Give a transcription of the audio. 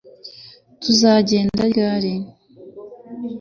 Tuzagenda ryari